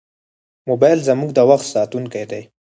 موبایل زموږ د وخت ساتونکی دی.